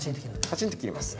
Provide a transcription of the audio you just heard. パチンと切ります。